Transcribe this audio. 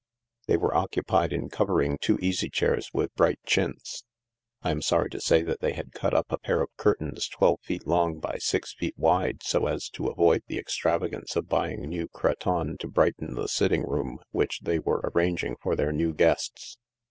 They were occupied in covering two easy chairs with bright chintz. I am sorry to say that they had cut up a pair of curtains twelve feet long by six feet wide so as to avoid the extravagance of buying new cretonne to brighten the sitting room which they were arranging for their new guests.